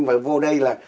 và vô đây là